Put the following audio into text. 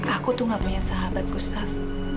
aku tuh gak punya sahabat gustaf